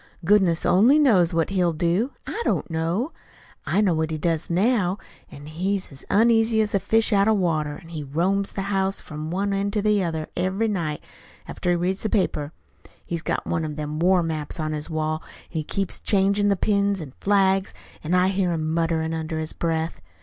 "Goodness only knows what he'll do I don't. I know what he does now. He's as uneasy as a fish out o' water, an' he roams the house from one end to the other every night, after he reads the paper. He's got one of them war maps on his wall, an' he keeps changin' the pins an' flags, an' I hear him mutterin' under his breath.